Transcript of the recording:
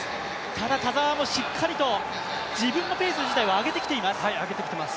ただ、田澤もしっかりと自分のペース自体は上げてきています。